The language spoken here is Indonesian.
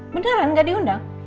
beneran gak diundang